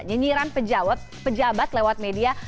nyinyiran pejabat lewat media